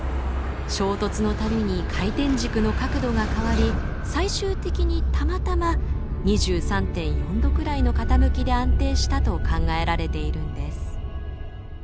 衝突の度に回転軸の角度が変わり最終的にたまたま２３．４度くらいの傾きで安定したと考えられているんです。